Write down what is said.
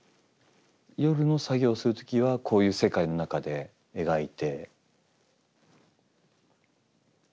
夜の作業する時はこういう世界の中で描いて。